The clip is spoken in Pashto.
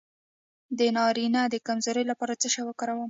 د نارینه د کمزوری لپاره څه شی وکاروم؟